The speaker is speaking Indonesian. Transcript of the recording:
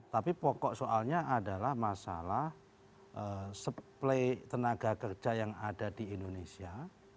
tapi pokok soalnya adalah masalah supply tenaga kerja yang ada di indonesia